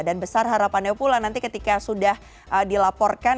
dan besar harapannya pula nanti ketika sudah dilaporkan